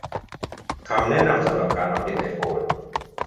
คำแนะนำสำหรับการอัปเดตไอโฟน